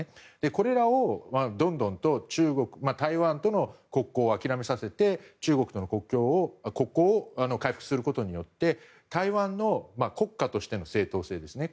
これらをどんどんと台湾との国交を諦めさせて、中国との国交を回復することによって台湾の国家としての正当性ですね